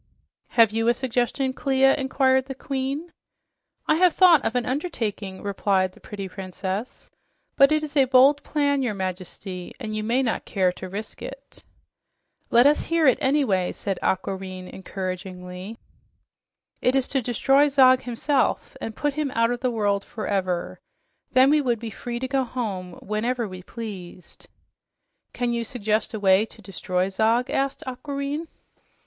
"Have you a suggestion, Clia?" inquired the Queen. "I have thought of an undertaking," replied the pretty princess, "but it is a bold plan, your Majesty, and you may not care to risk it." "Let us hear it, anyway," said Aquareine encouragingly. "It is to destroy Zog himself and put him out of the world forever. Then we would be free to go home whenever we pleased." "Can you suggest a way to destroy Zog?" asked Aquareine.